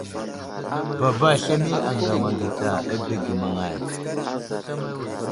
Baba slemiye aŋgam atu tsa abege maŋay.